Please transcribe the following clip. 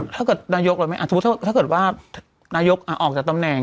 ถ้าเกิดนายกเราไม่สมมุติถ้าเกิดว่านายกออกจากตำแหน่ง